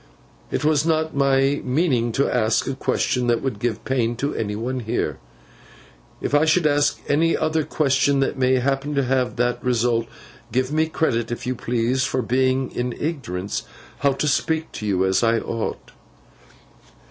It was not my meaning to ask a question that would give pain to any one here. If I should ask any other question that may happen to have that result, give me credit, if you please, for being in ignorance how to speak to you as I ought.